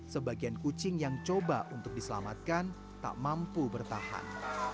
sebagian kucing yang coba untuk diselamatkan tak mampu bertahan